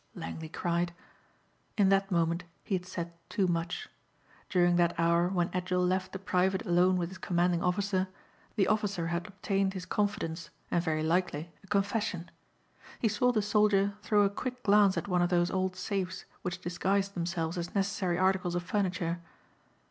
Langley cried. In that moment he had said too much. During that hour when Edgell left the private alone with his commanding officer the officer had obtained his confidence and very likely a confession. He saw the soldier throw a quick glance at one of those old safes which disguised themselves as necessary articles of furniture.